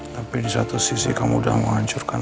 tapi di satu sisi kamu sudah menghancurkan